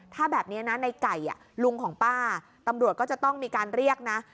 ถ้าแบบนี้นะในไก่ลุงของป้าตำรวจก็จะต้องมีการเรียกนะ